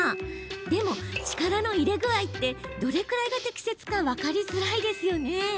でも、力の入れ具合ってどれくらいが適切か分かりづらいですよね？